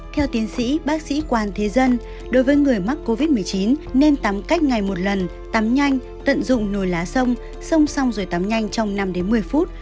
theo tiến sĩ bác sĩ quan thế dân đối với người mắc covid một mươi chín nên tắm cách ngày một lần tắm nhanh tận dụng nồi lá sông song song rồi tắm nhanh trong năm đến một mươi phút